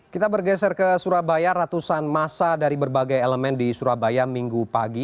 kita bergeser ke surabaya ratusan masa dari berbagai elemen di surabaya minggu pagi